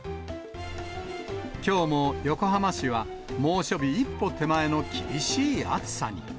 きょうも横浜市は猛暑日一歩手前の厳しい暑さに。